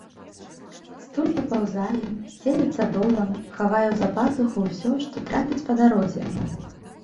Стуль выпаўзае, сцелецца долам, хавае ў запазуху ўсё, што трапіць па дарозе.